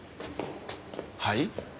はい？